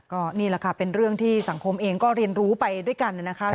ก็นี่แหละค่ะเป็นเรื่องที่สังคมเองก็เรียนรู้ไปด้วยกันนะคะ